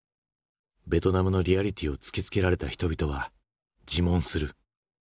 ベトナムのリアリティーを突きつけられた人々は自問する。